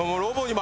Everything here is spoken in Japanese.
今。